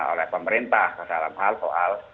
oleh pemerintah dalam hal soal